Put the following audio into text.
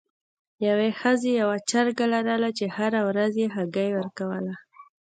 یوې ښځې یوه چرګه لرله چې هره ورځ یې هګۍ ورکوله.